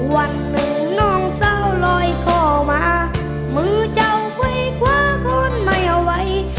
วันหนึ่งน้องเศร้าลอยคอมามือเจ้าค่อยคว้าคนใหม่เอาไว้